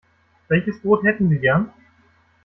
Welches Brot hätten Sie gern?